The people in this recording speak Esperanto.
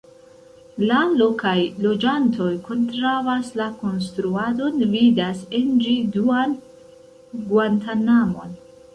La lokaj loĝantoj kontraŭas la konstruadon, vidas en ĝi duan Guantanamo-n.